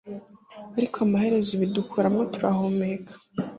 ariko amaherezo ubidukuramo turahumeka